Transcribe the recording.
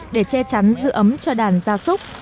để che chắn dự ấm cho đàn gia súc